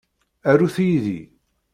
Arut yid-i.